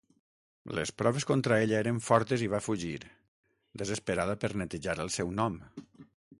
Les proves contra ella eren fortes i va fugir, desesperada per netejar el seu nom.